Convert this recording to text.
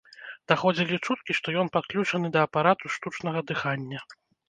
Даходзілі чуткі, што ён падключаны да апарату штучнага дыхання.